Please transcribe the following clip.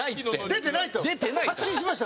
「出てない」と？